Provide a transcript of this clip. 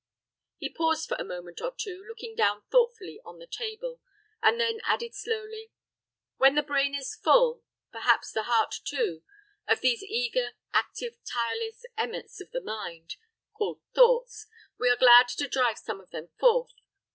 He paused for a moment or two, looking down thoughtfully on the table, and then added, slowly, "When the brain is full perhaps the heart too of these eager, active, tireless emmets of the mind, called thoughts, we are glad to drive some of them forth.